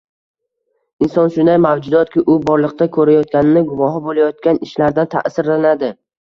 Inson shunday mavjudotki, u borliqda ko‘rayotgani, guvohi bo‘layotgan ishlardan ta’sirlanadi.